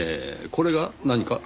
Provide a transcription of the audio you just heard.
これが何か？